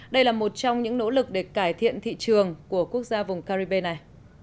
đây là một trong những nỗ lực để cải thiện thị trường của quốc gia vùng caribe này